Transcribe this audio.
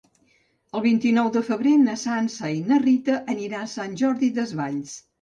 El vint-i-nou de febrer na Sança i na Rita aniran a Sant Jordi Desvalls.